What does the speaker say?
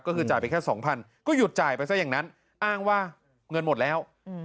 ก็คือจ่ายไปแค่สองพันก็หยุดจ่ายไปซะอย่างนั้นอ้างว่าเงินหมดแล้ว